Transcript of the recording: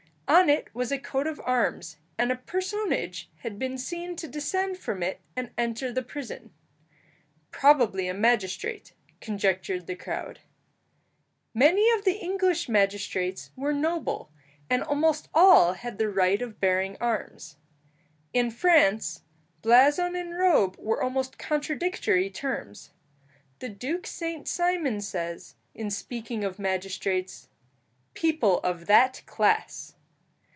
On it was a coat of arms, and a personage had been seen to descend from it and enter the prison. "Probably a magistrate," conjectured the crowd. Many of the English magistrates were noble, and almost all had the right of bearing arms. In France blazon and robe were almost contradictory terms. The Duke Saint Simon says, in speaking of magistrates, "people of that class."